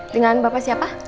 dengan bapak siapa